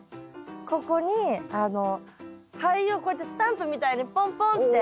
ここに灰をこうやってスタンプみたいにぽんぽんって。